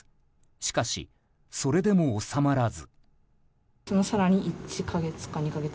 しかし、それでも収まらず。